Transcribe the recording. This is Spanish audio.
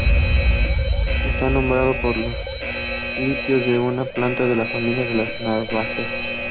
Está nombrado por los tilos, una planta de la familia de las malváceas.